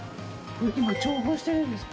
今調合してるんですか？